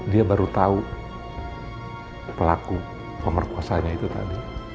dia baru tahu pelaku pemerkosanya itu tadi